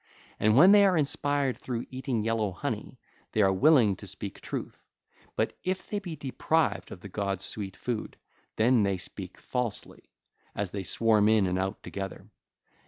And when they are inspired through eating yellow honey, they are willing to speak truth; but if they be deprived of the gods' sweet food, then they speak falsely, as they swarm in and out together.